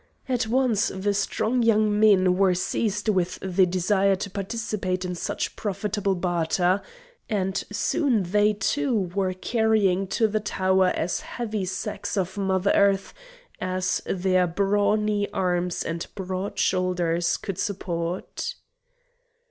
At once the strong young men were seized with the desire to participate in such profitable barter, and soon they too were carrying to the tower as heavy sacks of mother earth as their brawny arms and broad shoulders could support.